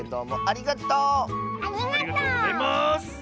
ありがとうございます！